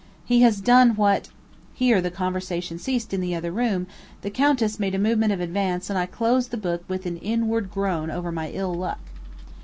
He has done what Here the conversation ceased in the other room, the Countess made a movement of advance and I closed the book with an inward groan over my ill luck.